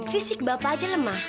fisik bapak aja lemah